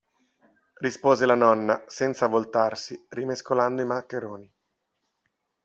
Rispose la nonna, senza voltarsi, rimescolando i maccheroni.